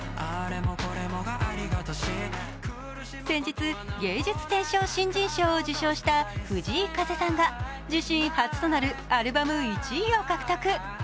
先日、芸術選奨新人賞を受賞した藤井風さんが自身初となるアルバム１位を獲得。